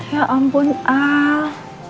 ya ampun al